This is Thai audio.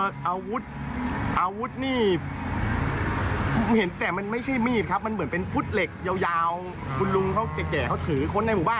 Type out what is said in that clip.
โดนพวกรถของเฉพาะบ้านเขาเนี่ยครับ